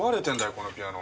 このピアノ。